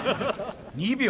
２秒。